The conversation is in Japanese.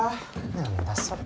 何だそれ。